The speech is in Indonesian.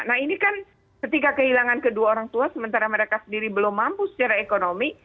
nah ini kan ketika kehilangan kedua orang tua sementara mereka sendiri belum mampu secara ekonomi